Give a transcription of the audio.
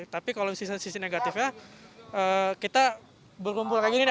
tapi kalau sisi negatifnya kita berkumpul kayak gini